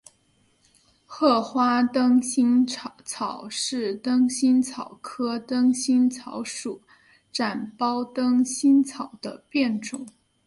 褐花灯心草是灯心草科灯心草属展苞灯心草的变种。